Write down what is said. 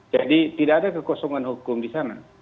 jadi tidak ada kekosongan hukum di sana